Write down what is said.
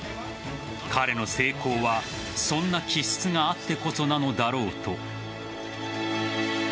彼の成功はそんな気質があってこそなのだろうと。